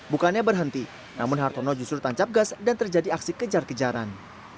bukannya berhenti namun hartono justru tancap gas dan terjadi aksi kejar kejaran